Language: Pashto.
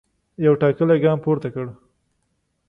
یو ټاکلی ګام پورته کړ.